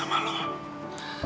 emang lu yang hiu sekarang